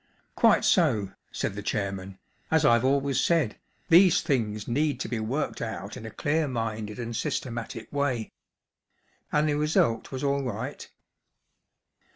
" Quite so," said the chairman. " As I’ve always said, these things need to be worked out in a clear minded and systematic way. And the result was all right